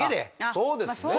まあそうですね。